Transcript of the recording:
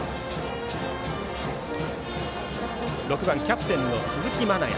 ６番、キャプテンの鈴木愛矢。